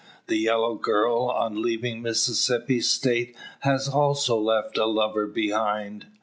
The "yellow girl" on leaving Mississippi State has also left a lover behind.